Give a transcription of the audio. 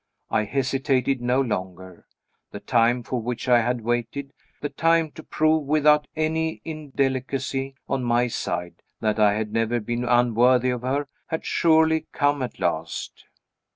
I hesitated no longer. The time for which I had waited the time to prove, without any indelicacy on my side, that I had never been unworthy of her had surely come at last.